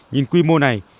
nhìn quy mô này